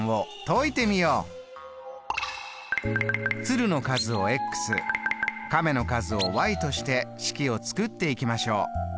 鶴の数を亀の数をとして式を作っていきましょう。